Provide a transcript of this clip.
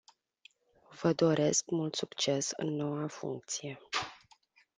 Vă doresc mult succes în noua funcție!